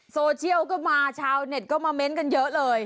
โซเชียลก็มาชาวเน็ตก็มาเม้นต์กันเยอะเลย